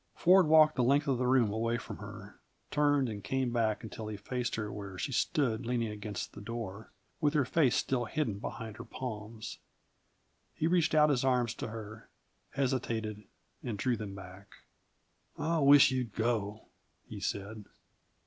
Ford walked the length of the room away from her, turned and came back until he faced her where she stood leaning against the door, with her face still hidden behind her palms. He reached out his arms to her, hesitated, and drew them back. "I wish you'd go," he said.